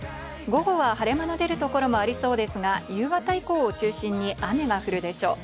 午後は晴れ間の出る所もありそうですが、夕方以降を中心に雨が降るでしょう。